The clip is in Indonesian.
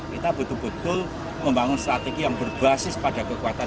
kita betul betul membangun strategi yang berbasis pada kekuatan